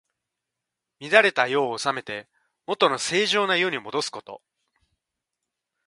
乱れた世を治めて、もとの正常な世にもどすこと。